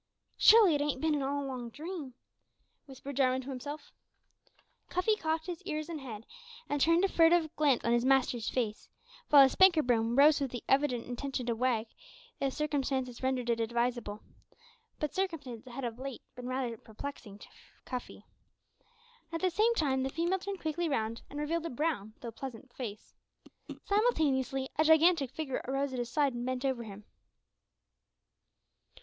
"Surely it ain't bin all a long dream!" whispered Jarwin to himself. Cuffy cocked his ears and head, and turned a furtive glance on his master's face, while his "spanker boom" rose with the evident intention to wag, if circumstances rendered it advisable; but circumstances had of late been rather perplexing to Cuffy. At the same time the female turned quickly round and revealed a brown, though pleasant, face. Simultaneously, a gigantic figure arose at his side and bent over him.